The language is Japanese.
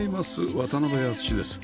渡辺篤史です